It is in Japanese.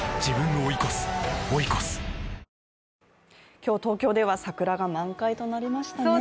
今日、東京では桜が満開となりましたね。